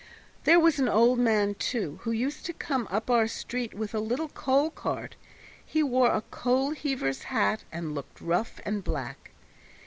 There was an old man, too, who used to come up our street with a little coal cart; he wore a coal heaver's hat, and looked rough and black.